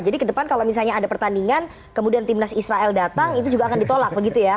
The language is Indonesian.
jadi kedepan kalau misalnya ada pertandingan kemudian timnas israel datang itu juga akan ditolak begitu ya